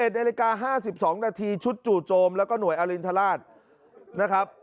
๑นาฬิกา๕๒นาทีชุดจู่โจมแล้วก็หน่วยอรินทราชนะครับ